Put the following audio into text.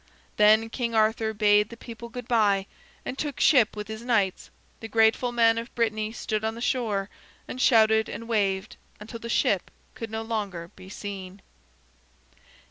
Then King Arthur bade the people good by, and took ship with his knights. The grateful men of Brittany stood on the shore, and shouted and waved until the ship could no longer be seen.